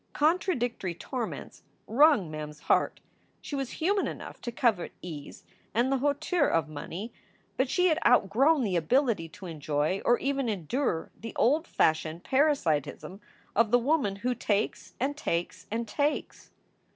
Contradictory torments wrung Mem s heart. She was human enough to covet ease and the hauteur of money, but she had outgrown the ability to enjoy, or even endure, the old fashioned parasitism of the woman who takes and takes and takes.